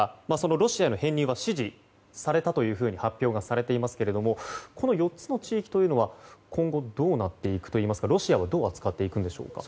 ロシアへの編入は支持されたと発表されていますけれどもこの４つの地域は今後どうなっていくというかロシアはどう扱っていくんでしょうか。